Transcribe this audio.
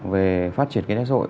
về phát triển kinh tế rội